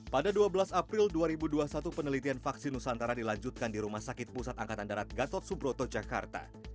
pada dua belas april dua ribu dua puluh satu penelitian vaksin nusantara dilanjutkan di rumah sakit pusat angkatan darat gatot subroto jakarta